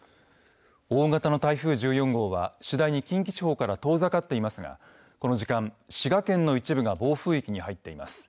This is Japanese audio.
大型の台風１４号は次第に近畿地方から遠ざかっていますがこの時間、滋賀県の一部が暴風域に入っています。